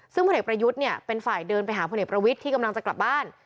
ซึ่งพลเอกประยุทธ์เนี่ยเป็นฝ่ายเดินไปหาพลเอกประวิทย์ที่กำลังจะกลับบ้าน